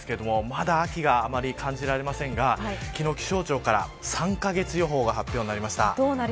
まだ秋があまり感じられませんが昨日気象庁から３カ月予報が発表になりました。